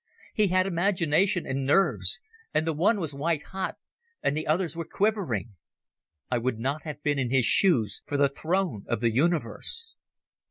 He had imagination and nerves, and the one was white hot and the others were quivering. I would not have been in his shoes for the throne of the Universe